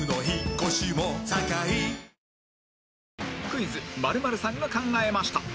「クイズ○○さんが考えました」